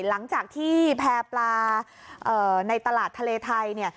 หลังจากที่แพร่ปลาในตลาดทะเลไทยเนี่ย